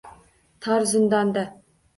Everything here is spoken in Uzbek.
Tor zindonga